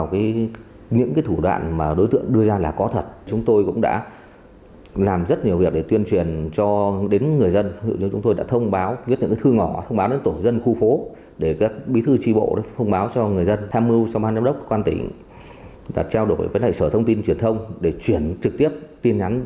chúng ta trao đổi với hệ sở thông tin truyền thông để chuyển trực tiếp tiền nhanh